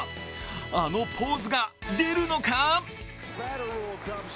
あのポーズが出るのか？